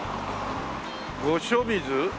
「御所水」？